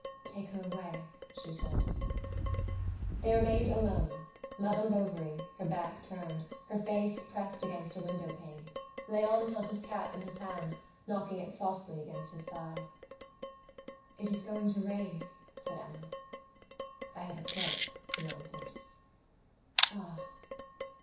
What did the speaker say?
"Take her away," she said. They remained alone Madame Bovary, her back turned, her face pressed against a window pane; Léon held his cap in his hand, knocking it softly against his thigh. "It is going to rain," said Emma. "I have a cloak," he answered. "Ah!"